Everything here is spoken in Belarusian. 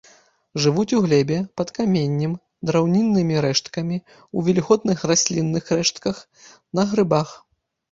Жывуць у глебе, пад каменнем, драўніннымі рэшткамі, у вільготных раслінных рэштках, на грыбах.